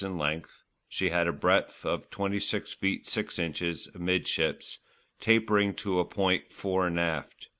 in length, she had a breadth of 26 ft. 6. ins. amidships, tapering to a point fore and aft.